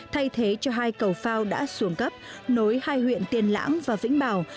thay thế cho hai cầu phao đã xuống cấp nối hai huyện tiên lãng và vĩnh bảo